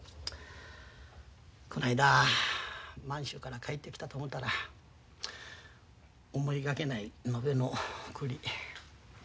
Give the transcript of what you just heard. この間満州から帰ってきたと思たら思いがけない野辺の送り。